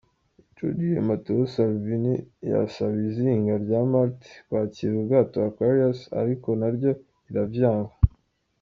Ico gihe Matteo Salvini yasaba izinga rya Malte kwakira ubwato Aquarius ariko naryo riravyanka.